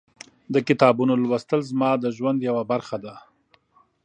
د کتابونو لوستل زما د ژوند یوه برخه ده.